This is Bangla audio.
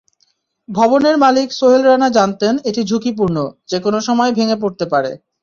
ভবনের মালিক সোহেল রানা জানতেন, এটি ঝুঁকিপূর্ণ, যেকোনো সময় ভেঙে পড়তে পারে।